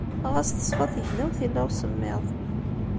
Ɣas teṣfa tegnawt, yella usemmiḍ.